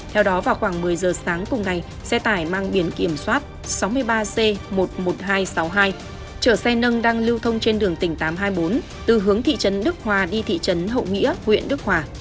theo đó vào khoảng một mươi giờ sáng cùng ngày xe tải mang biển kiểm soát sáu mươi ba c một mươi một nghìn hai trăm sáu mươi hai chở xe nâng đang lưu thông trên đường tỉnh tám trăm hai mươi bốn từ hướng thị trấn đức hòa đi thị trấn hậu nghĩa huyện đức hòa